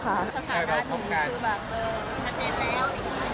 สถานการณ์หนูคือแบบเอ่อชัดเจนแล้ว